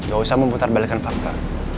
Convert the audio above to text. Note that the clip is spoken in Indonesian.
gak usah memutar balikan fakta